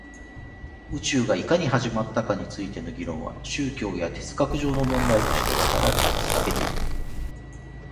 宇宙がいかに始まったかについての議論は宗教や哲学上の問題として語られて続けている